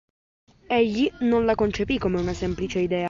Egli non la concepì come una semplice idea.